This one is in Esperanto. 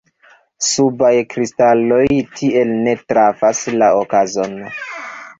Kubaj kristaloj tiel ne trafas la okazon.